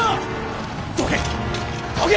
どけ！